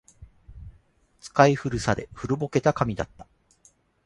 使い古され、古ぼけた紙だった